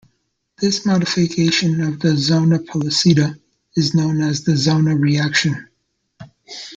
This modification of the zona pellucida is known as the zona reaction.